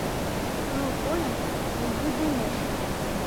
Пыл койын нугыдемеш.